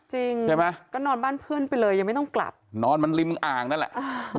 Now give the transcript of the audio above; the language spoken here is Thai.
จริงใช่ไหมก็นอนบ้านเพื่อนไปเลยยังไม่ต้องกลับนอนมันริมอ่างนั่นแหละอ่า